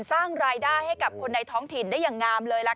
สร้างรายได้ให้กับคนในท้องถิ่นได้อย่างงามเลยล่ะค่ะ